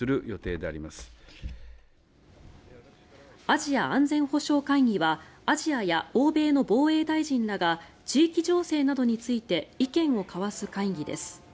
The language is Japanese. アジア安全保障会議はアジアや欧米の防衛大臣らが地域情勢などについて意見を交わす会議です。